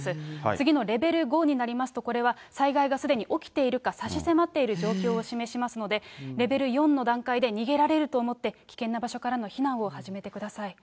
次のレベル５になりますと、これは災害がすでに起きているか、差し迫っている状況を示しますので、レベル４の段階で逃げられると思って、危険な場所からの避難を始めてください。